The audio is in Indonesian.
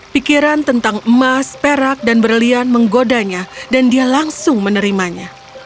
pikiran tentang emas perak dan berlian menggodanya dan dia langsung menerimanya